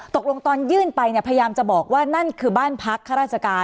ตอนยื่นไปเนี่ยพยายามจะบอกว่านั่นคือบ้านพักข้าราชการ